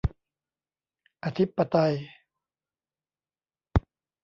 อธิปไตย